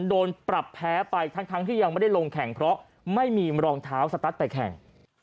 โดนปรับแพ้ไปทั้งที่ยังไม่ได้ลงแข่งเพราะไม่มีรองเท้าสตั๊ดไปแข่ง